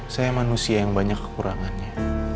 saya manusia yang banyak kekurangannya